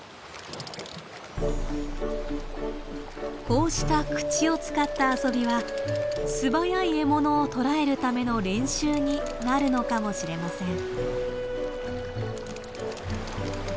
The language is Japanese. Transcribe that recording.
こうした口を使った遊びは素早い獲物を捕らえるための練習になるのかもしれません。